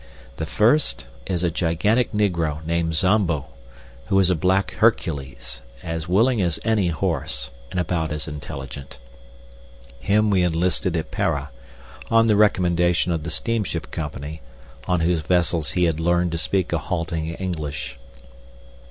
The first is a gigantic negro named Zambo, who is a black Hercules, as willing as any horse, and about as intelligent. Him we enlisted at Para, on the recommendation of the steamship company, on whose vessels he had learned to speak a halting English.